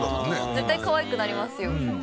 絶対かわいくなりますよ。